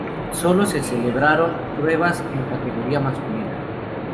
Sólo se celebraron pruebas en categoría masculina.